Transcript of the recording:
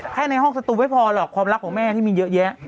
ในห้องสตูไม่พอหรอกความรักของแม่ที่มีเยอะแยะ